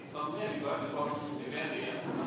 tentunya dibuat di komunikasi